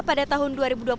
pada tahun dua ribu dua puluh